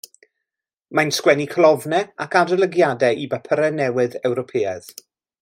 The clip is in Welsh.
Mae'n sgwennu colofnau ac adolygiadau i bapurau newydd Ewropeaidd.